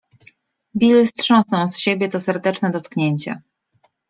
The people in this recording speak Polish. Bill strząsnął z siebie to serdeczne dotknięcie.